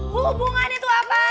hubungannya tuh apa